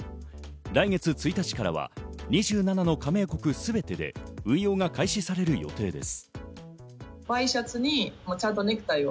来月１日からは２７の加盟国すべてで運用が開始される予定です。